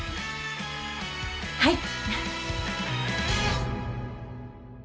はい。